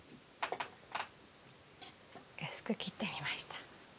薄く切ってみました。